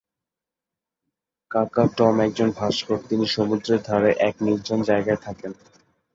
কাকা টম একজন ভাস্কর তিনি সমুদ্রের ধারে এক নির্জন জায়গায় থাকেন।